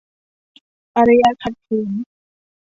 อารยะขัดขืน